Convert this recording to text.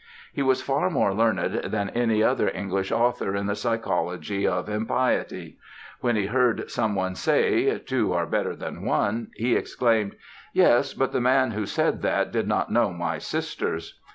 He was far more learned than any other English author in the psychology of impiety. When he heard some one say, "Two are better than one," he exclaimed, "Yes, but the man who said that did not know my sisters."